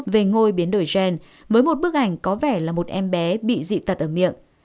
về ngôi biến đổi gen với một bức ảnh có vẻ là một em bé bị dị tật ở miệng